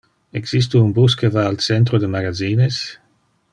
Existe un bus que va al centro de magazines?